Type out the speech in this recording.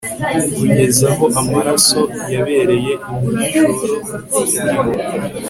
kugeza aho amaraso yabereye imyishori kuri bo